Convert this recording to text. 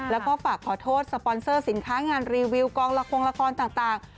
แล้วก็ฝากขอโทษสปอนเซอร์สินค้างานรีวิวกองละครละครต่าง